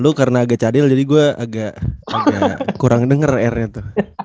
lo karena agak cadil jadi gue agak kurang denger r nya tuh